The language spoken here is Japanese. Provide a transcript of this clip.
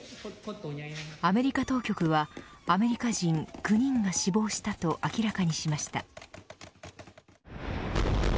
アメリカ当局はアメリカ人９人が死亡したと明らかにしました。